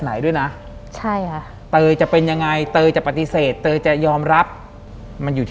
หลังจากนั้นเราไม่ได้คุยกันนะคะเดินเข้าบ้านอืม